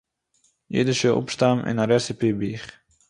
אידישער אָפּשטאַם אין אַ רעסעפּי-בוך